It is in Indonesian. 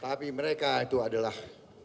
tapi mereka itu adalah